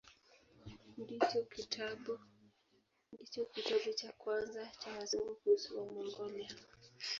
Ndicho kitabu cha kwanza cha Wazungu kuhusu Wamongolia.